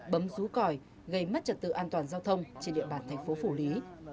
bấm rú còi gây mất trật tự an toàn giao thông trên địa bàn thành phố phủ lý